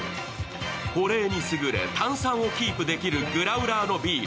保冷に優れ、炭酸をキープできるグラウラーのビール。